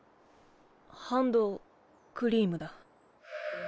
ハンドクリームだ。